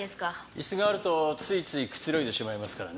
椅子があるとついついくつろいでしまいますからね。